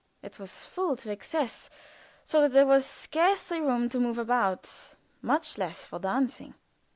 It was full to excess, so that there was scarcely room to move about, much less for dancing.